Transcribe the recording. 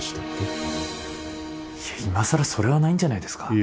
いや今更それはないんじゃないですか？